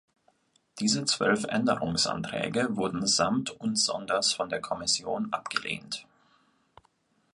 Diese zwölf Änderungsanträge wurden samt und sonders von der Kommission abgelehnt.